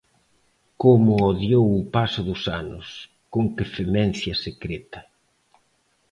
Como odiou o paso dos anos, con que femencia secreta.